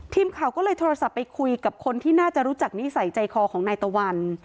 ทีมข่าวก็เลยโทรศัพท์ไปคุยกับคนที่น่าจะรู้จักนิสัยใจคอของนายตะวัน